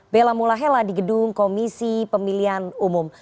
bella mulahela di gedung komisi pemilihan umum